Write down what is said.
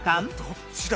どっちだ？